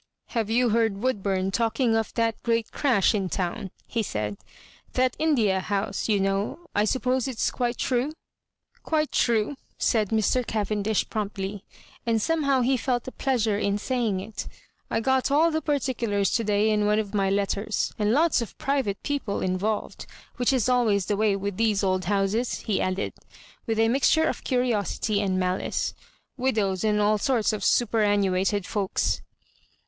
"Have you heard Woodburn talking of that great crash in town?" he said —*' that India house, you know — ^I suppose it's quite true ?"" Quite true," said Mr. Cavendish, promptly, and somehow he felt a pleasure in saying it " I got all the particulars to day in one of my letters — ^and lots of private people involved, which is always the way with these old houses," he added," with a mixture of curiosity and malice —" wi dows, and all sorts of superannuated folks."